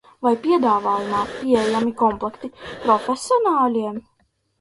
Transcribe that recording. Vai piedāvājumā pieejami komplekti profesionāļiem?